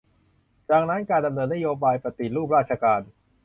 ดังนั้น การดำเนินนโยบายปฏิรูปราชการ